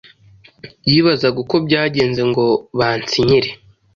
yibazaga uko byagenze ngo bansinyire.